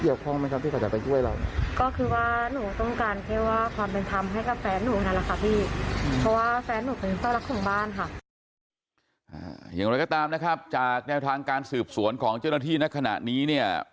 อย่างไรก็ตามนะครับจากแนวทางการสืบสวนของเจ้าหน้าที่ณขณะนี้เนี่ย